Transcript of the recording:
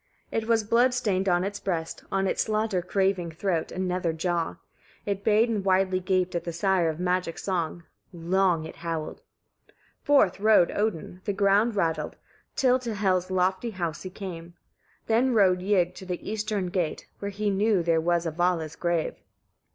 It was blood stained on its breast, on its slaughter craving throat, and nether jaw. It bayed and widely gaped at the sire of magic song: long it howled. 8. Forth rode Odin the ground rattled till to Hel's lofty house he came. Then rode Ygg to the eastern gate, where he knew there was a Vala's grave.